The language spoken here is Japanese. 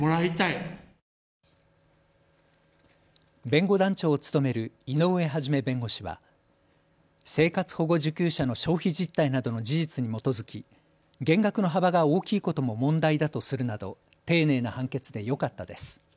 弁護団長を務める井上啓弁護士は生活保護受給者の消費実態などの事実に基づき減額の幅が大きいことも問題だとするなど丁寧な判決でよかったです。